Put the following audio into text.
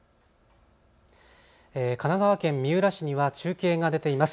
神奈川県三浦市には中継が出ています。